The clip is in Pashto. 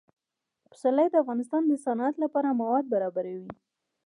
پسرلی د افغانستان د صنعت لپاره مواد برابروي.